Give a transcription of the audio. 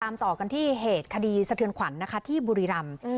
ต่อกันที่เหตุคดีสะเทือนขวัญนะคะที่บุรีรำ